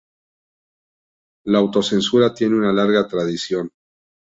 La autocensura tiene una larga tradición.